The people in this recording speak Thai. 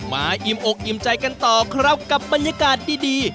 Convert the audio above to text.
อิ่มอกอิ่มใจกันต่อครับกับบรรยากาศดี